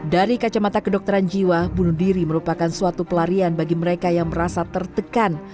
dari kacamata kedokteran jiwa bunuh diri merupakan suatu pelarian bagi mereka yang merasa tertekan